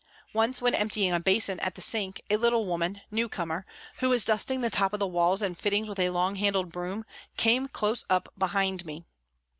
Once when emptying a basin at the sink a little woman, new comer, who was dusting the top of the walls and fittings with a long handled broom, came close up behind me.